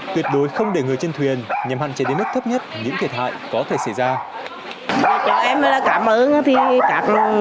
tuyệt đối không để người trên thuyền nhằm hạn chế đến mức thấp nhất những thiệt hại có thể xảy ra